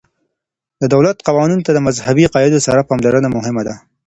د دولت قوانینو ته د مذهبي عقایدو سره پاملرنه مهمه ده.